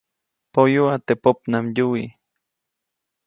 Poyuʼa teʼ popnamdyuwi.